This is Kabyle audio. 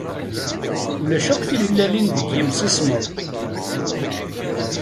Ulac akk timellalin deg yimsismeḍ.